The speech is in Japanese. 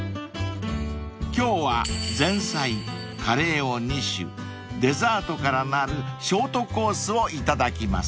［今日は前菜カレーを２種デザートからなるショートコースをいただきます］